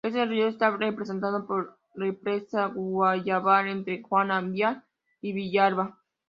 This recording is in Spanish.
Este río está represado por la Represa Guayabal entre Juana Díaz y Villalba.